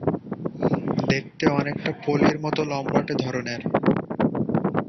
দেখতে অনেকটা পলির মতো লম্বাটে ধরনের।